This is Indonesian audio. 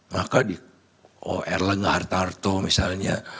maka di erlangga hartarto misalnya